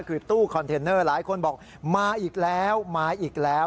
คือตู้คอนเทนเนอร์หลายคนบอกมาอีกแล้วมาอีกแล้ว